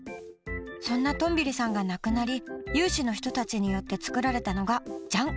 そんなトンビリさんが亡くなり有志の人たちによって作られたのがジャン！